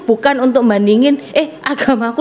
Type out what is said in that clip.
bukan untuk membandingin eh agamaku